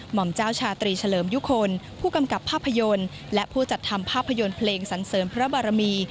่อมเจ้าชาตรีเฉลิมยุคลผู้กำกับภาพยนตร์และผู้จัดทำภาพยนตร์เพลงสันเสริมพระบารมี